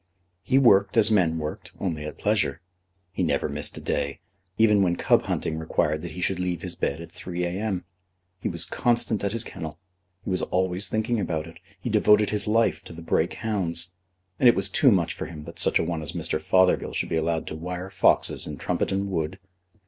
He worked as men work only at pleasure. He never missed a day, even when cub hunting required that he should leave his bed at 3 A.M. He was constant at his kennel. He was always thinking about it. He devoted his life to the Brake Hounds. And it was too much for him that such a one as Mr. Fothergill should be allowed to wire foxes in Trumpeton Wood!